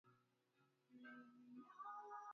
Chanzo cha habari hii ni gazeti linalochapishwa Uganda